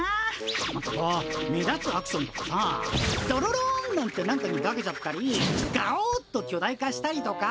もっとこう目立つアクションとかさあドロロンなんてなんかに化けちゃったりガオッときょ大化したりとか。